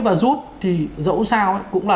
và rút thì dẫu sao cũng là